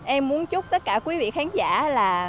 em muốn chúc tất cả quý vị khán giả là